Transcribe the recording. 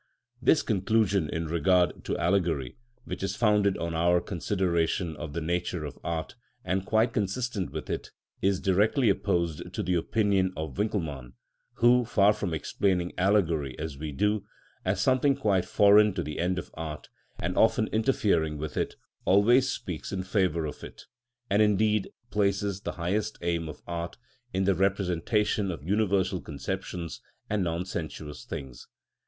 This conclusion in regard to allegory, which is founded on our consideration of the nature of art and quite consistent with it, is directly opposed to the opinion of Winckelmann, who, far from explaining allegory, as we do, as something quite foreign to the end of art, and often interfering with it, always speaks in favour of it, and indeed (Works, vol. i. p. 55) places the highest aim of art in the "representation of universal conceptions, and non sensuous things."